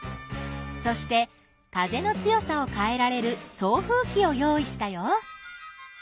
そして風の強さをかえられる送風きをよういしたよ。